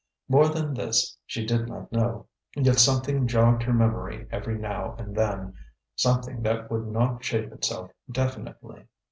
More than this she did not know, yet something jogged her memory every now and then something that would not shape itself definitely.